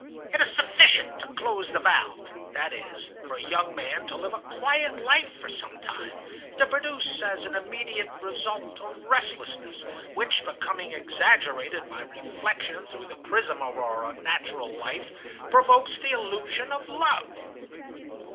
It is sufficient to close the valve,—that is, for a young man to live a quiet life for some time,—to produce as an immediate result a restlessness, which, becoming exaggerated by reflection through the prism of our unnatural life, provokes the illusion of love.